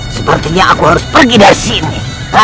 sepertinya aku harus pergi dari sini